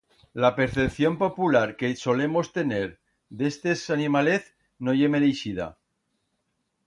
La percepción popular que solemos tener d'estes animalez no ye mereixida.